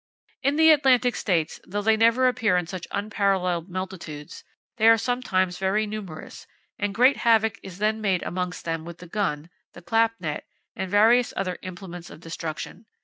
"In the Atlantic States, though they never appear in such unparalleled multitudes, they are sometimes very numerous; and great havoc is then made amongst them with the gun, the clap net, and various other implements of destruction.